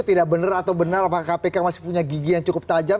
tidak benar atau benar apakah kpk masih punya gigi yang cukup tajam